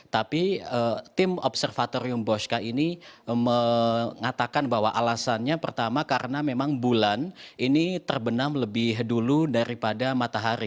tapi tim observatorium bosca ini mengatakan bahwa alasannya pertama karena memang bulan ini terbenam lebih dulu daripada matahari